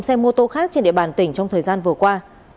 xe mô tô khác trên địa bàn tỉnh trong thời gian vừa qua